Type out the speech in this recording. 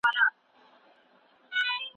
څېړونکی د متن شواهد څنګه راټولوي؟